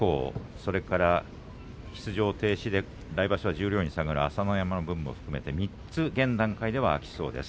それから出場停止の来場所十両に下がる朝乃山の分も合わせて３つ空きそうです。